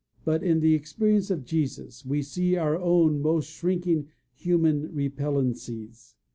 But in the experience of Jesus we see our own most shrinking human repellencies.